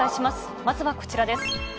まずはこちらです。